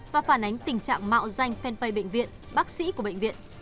và phản ánh tình trạng mạo danh fanpage bệnh viện bác sĩ của bệnh viện